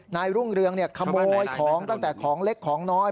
รุ่งเรืองขโมยของตั้งแต่ของเล็กของน้อย